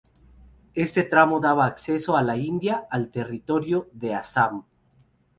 Este tramo daba acceso a la India al territorio de Assam.